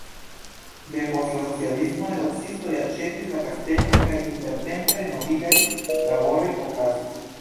Depost la socialismo negocistoj aĉetis la kastelon kaj intertempe renovigaj laboroj okazis.